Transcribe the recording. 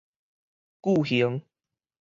句型